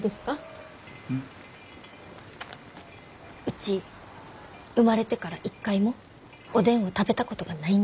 うち生まれてから一回もおでんを食べたことがないんです。